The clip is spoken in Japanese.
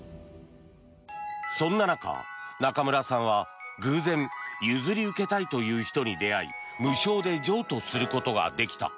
そんな中、中村さんは偶然譲り受けたいという人に出会い無償で譲渡することができた。